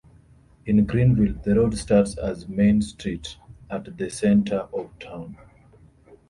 In Greenville, the road starts as Main Street at the center of town.